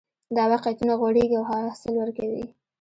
دا واقعیتونه غوړېږي او حاصل ورکوي